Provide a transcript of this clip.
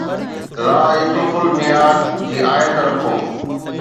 ”لا يخلف المياد“ جي آيت رکو.